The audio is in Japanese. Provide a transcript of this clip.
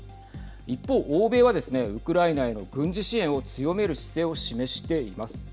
一方、欧米はですねウクライナへの軍事支援を強める姿勢を示しています。